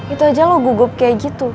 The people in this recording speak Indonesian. itu aja lo gugup kayak gitu